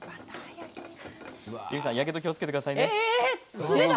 やけどに気をつけてくださいね。